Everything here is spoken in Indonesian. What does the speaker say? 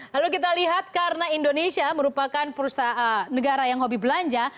lalu kita lihat karena indonesia merupakan perusahaan negara yang hobi belanja